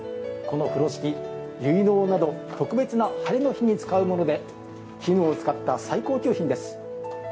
この風呂敷、結納など特別なハレの日に使うもので絹を使った最高級品です。